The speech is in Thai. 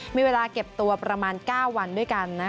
มีเวลาเก็บตัวประมาณ๙วันด้วยกัน